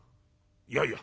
「いやいや。